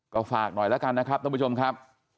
ก็ฝากหน่อยแล้วกันนะครับท่านผู้ชมครับ